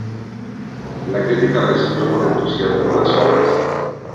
La crítica recibió con entusiasmo las obras.